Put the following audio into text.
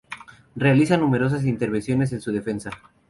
Realiza numerosas intervenciones en su defensa.